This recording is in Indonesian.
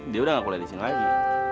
dia udah gak kuliah disini lagi